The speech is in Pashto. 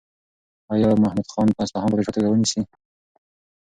ایا محمود خان به اصفهان په بشپړه توګه ونیسي؟